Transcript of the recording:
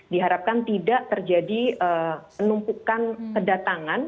diharapkan tidak terjadi penumpukan kedatangan